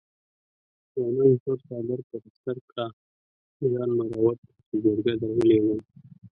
جانانه تور څادر په سر کړه ځان مرور کړه چې جرګه دروليږمه